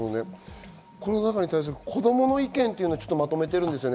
コロナ禍に対する子供の意見をまとめてあるんですよね。